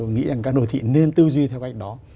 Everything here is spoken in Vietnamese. nghĩ rằng các đô thị nên tư duy theo cách đó